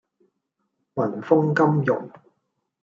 雲鋒金融